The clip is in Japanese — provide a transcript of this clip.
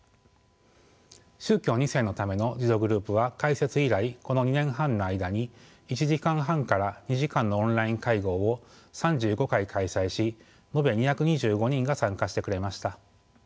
宗教２世のための自助グループは開設以来この２年半の間に１時間半から２時間のオンライン会合を３５回開催し延べ２２５人が参加してくれました。